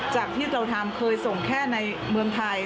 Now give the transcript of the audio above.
จากที่เราทำเคยส่งแค่ในเมืองไทย